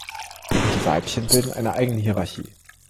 Die Weibchen bilden eine eigene Hierarchie.